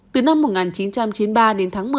từ năm một nghìn chín trăm chín mươi ba đến tháng một mươi